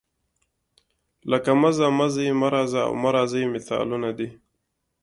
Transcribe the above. لکه مه ځه، مه ځئ، مه راځه او مه راځئ مثالونه دي.